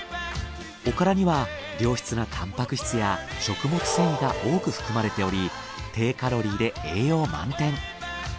おからには良質なタンパク質や食物繊維が多く含まれており低カロリーで栄養満点。